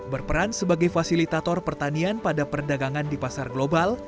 berperan sebagai fasilitator pertanian pada perdagangan di pasar global